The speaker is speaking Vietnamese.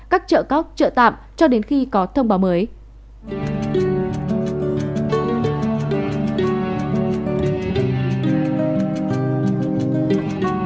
các chợ cóc chợ tạm cho đến khi có thông báo mới